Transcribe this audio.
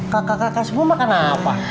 kakak kakak semua makan apa